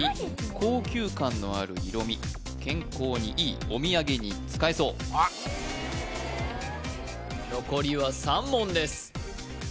高級感のある色味健康にいいお土産に使えそうあっ残りは３問です